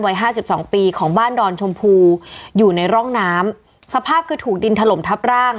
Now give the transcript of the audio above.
ห้าสิบสองปีของบ้านดอนชมพูอยู่ในร่องน้ำสภาพคือถูกดินถล่มทับร่าง